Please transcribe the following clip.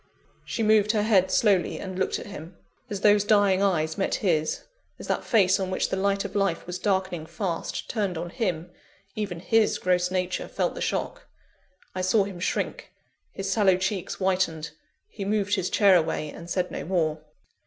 She moved her head slowly, and looked at him. As those dying eyes met his, as that face on which the light of life was darkening fast, turned on him, even his gross nature felt the shock. I saw him shrink his sallow cheeks whitened, he moved his chair away, and said no more.